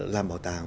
làm bảo tàng